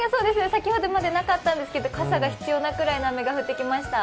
先ほどまでなかったんですけど、傘が必要なくらいの雨が降ってきました。